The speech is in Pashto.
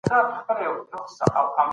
وزیران به د سولي خبري وکړي.